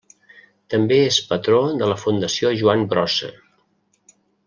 També és patró de la Fundació Joan Brossa.